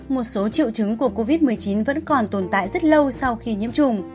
một số triệu chứng của covid một mươi chín vẫn còn tồn tại rất lâu sau khi nhiễm trùng